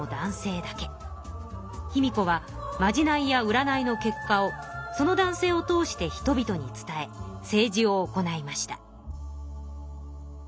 卑弥呼はまじないや占いの結果をその男性を通して人々に伝え政治を行いました。